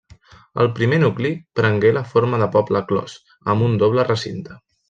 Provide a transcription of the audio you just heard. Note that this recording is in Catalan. El primer nucli prengué la forma de poble clos, amb un doble recinte.